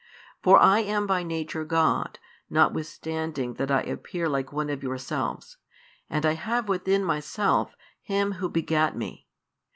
For I am by Nature God, notwithstanding that I appear like one of yourselves, and I have within Myself Him Who begat Me.